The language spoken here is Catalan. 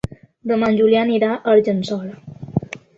Demà en Julià anirà a Argençola.